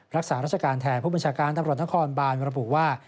รักษาราชการแทนผู้บัญชาการตำรวจนครบานระบุว่า